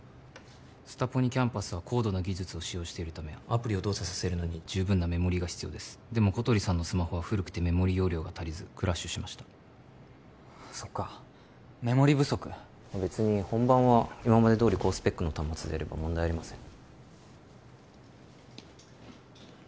スタポニキャンパスは高度な技術を使用しているためアプリを動作させるのに十分なメモリが必要ですでも小鳥さんのスマホは古くてメモリ容量が足りずクラッシュしましたそっかメモリ不足別に本番は今までどおり高スペックの端末でやれば問題ありません